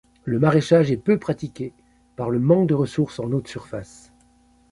Le maraîchage est peu pratiqué par le manque de ressource en eau de surface.